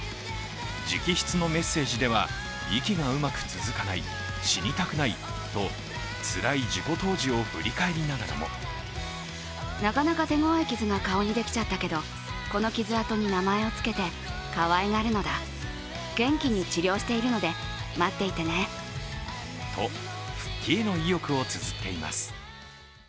直筆のメッセージでは息がうまく続かない、死にたくないと、つらい事故当時を振り返りながらもと復帰への意欲をつづっています。